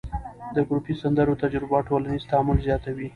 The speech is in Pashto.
د ګروپي سندرو تجربه ټولنیز تعامل زیاتوي.